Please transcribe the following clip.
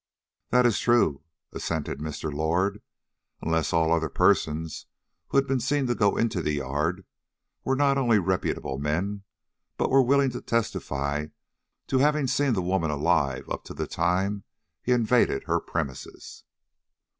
"That is true," assented Mr. Lord, "unless all the other persons who had been seen to go into the yard were not only reputable men, but were willing to testify to having seen the woman alive up to the time he invaded her premises."